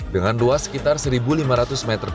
dengan luas sekitar satu lima ratus meter per jam